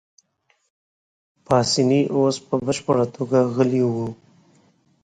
پاسیني اوس په بشپړه توګه غلی وو.